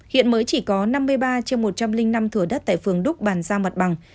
hiện mới chỉ có năm mươi ba trên một trăm linh năm thửa đất tại phường đúc bàn giao mặt bằng